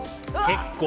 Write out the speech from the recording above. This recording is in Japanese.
結構！